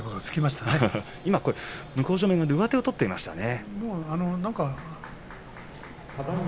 向こう正面上手を取っていましたね。